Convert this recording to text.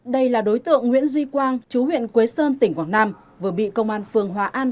đây là đối tượng nguyễn duy quang chú huyện quế sơn tỉnh quảng nam vừa bị công an phường hòa an